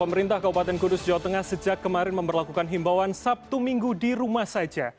pemerintah kabupaten kudus jawa tengah sejak kemarin memperlakukan himbauan sabtu minggu di rumah saja